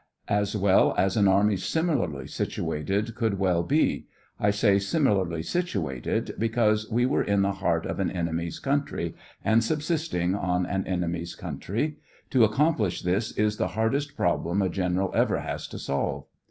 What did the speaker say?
As well as an army similarly situated could well be ; I say similarly situated, because we were in the heart of an enemy's country and subsisting on an enemy's country; to accomplish this is the hardest problem a general ever has to solve.